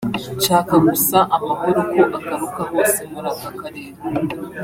nshaka gusa amahoro ko agaruka hose muri aka karere